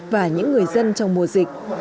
và những người dân trong mùa dịch